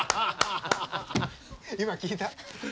今聞いた？